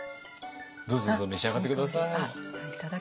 どうぞどうぞ召し上がって下さい。